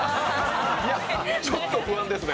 いや、ちょっと不安ですね。